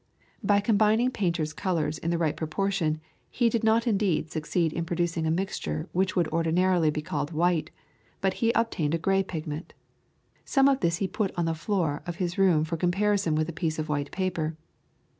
By combining painters' colours in the right proportion he did not indeed succeed in producing a mixture which would ordinarily be called white, but he obtained a grey pigment. Some of this he put on the floor of his room for comparison with a piece of white paper.